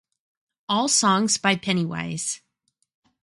All songs by Pennywise.